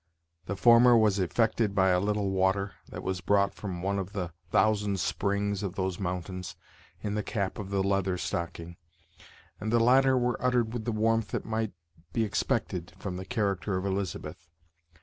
The former was effected by a little water, that was brought from one of the thousand springs of those mountains, in the cap of the Leather Stocking; and the latter were uttered with the warmth that might be expected from the character of Elizabeth.